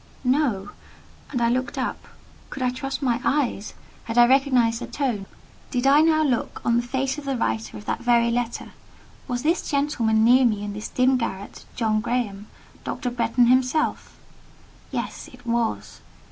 No: and I looked up. Could I trust my eyes? Had I recognised the tone? Did I now look on the face of the writer of that very letter? Was this gentleman near me in this dim garret, John Graham—Dr. Bretton himself? Yes: it was.